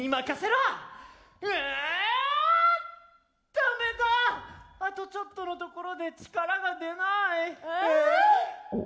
ダメだあとちょっとのところで力が出ない。え！？